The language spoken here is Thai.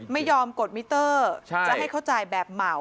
ไม่ยอมกดมิเตอร์จะให้เขาจ่ายแบบเหมา